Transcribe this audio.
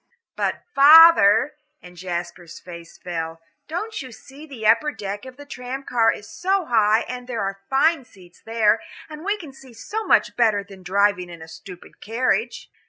"But, father," and Jasper's face fell, "don't you see the upper deck of the tram car is so high and there are fine seats there, and we can see so much better than driving in a stupid carriage?"